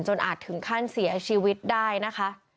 อาจถึงขั้นเสียชีวิตได้นะคะ